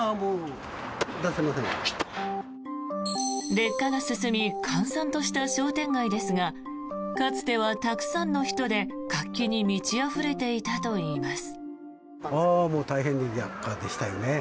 劣化が進み閑散とした商店街ですがかつてはたくさんの人で活気に満ちあふれていたといいます。